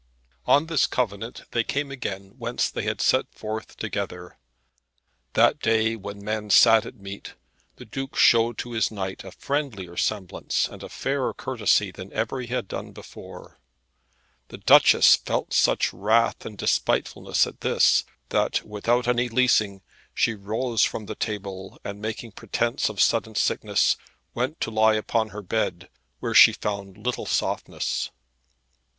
On this covenant they came again whence they had set forth together. That day, when men sat at meat, the Duke showed to his knight a friendlier semblance and a fairer courtesy than ever he had done before. The Duchess felt such wrath and despitefulness at this, that without any leasing she rose from the table, and making pretence of sudden sickness, went to lie upon her bed, where she found little softness.